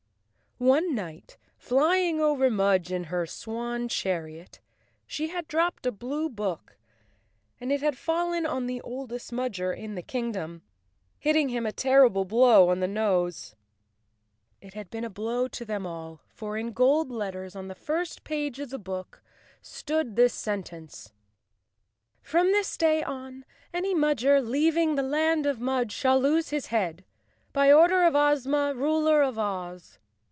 One night, flying over Mudge in her swan chariot, she had dropped a blue book and it had fallen on the oldest Mudger in the kingdom, hitting him a terrible blow on the nose. It had been a blow to them all, for in gold letters on the first page of the book stood this sentence: " From this day on, any Mudger leaving the land of Mudge shall lose his head. By order of Ozma, Euler of all Oz."